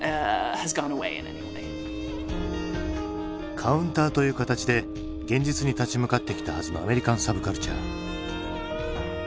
カウンターという形で現実に立ち向かってきたはずのアメリカン・サブカルチャー。